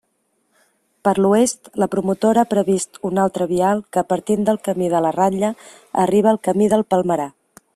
Per l'oest, la promotora ha previst un altre vial que, partint del camí de la Ratlla, arriba al camí del Palmerar.